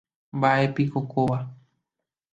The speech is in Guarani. Mba'épiko kóva.